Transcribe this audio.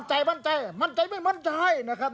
ใจมั่นใจไม่มั่นใจนะครับ